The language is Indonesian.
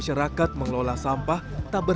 setahun lama memiliki pelajaran pendapatan